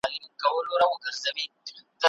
کمپيوټر غوښتنليک ليکي.